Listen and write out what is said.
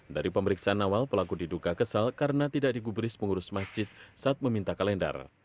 dari pemeriksaan awal pelaku diduga kesal karena tidak digubris pengurus masjid saat meminta kalender